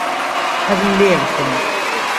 حەزم لێیە بخۆم.